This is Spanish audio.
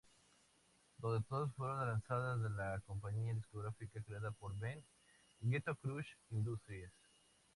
Donde todas fueron lanzadas de la compañía discográfica creada por Ben, "Ghetto Crush Industries".